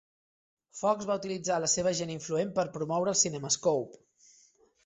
Fox va utilitzar la seva gent influent per promoure el CinemaScope.